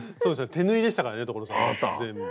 手縫いでしたからね所さん全部。